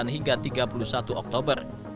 dua puluh sembilan hingga tiga puluh satu oktober